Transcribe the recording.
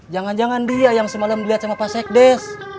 jangan jangan dia yang semalam dilihat sama pak sekdes